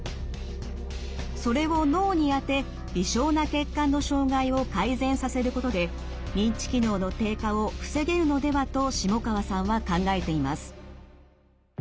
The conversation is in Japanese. それを脳に当て微小な血管の障害を改善させることで認知機能の低下を防げるのではと下川さんは考えています。